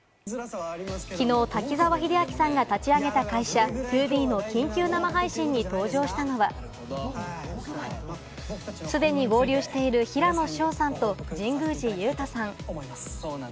きのう滝沢秀明さんが立ち上げた会社ＴＯＢＥの緊急生配信に登場したのは、既に合流している平野紫耀さんと神宮寺勇太さん。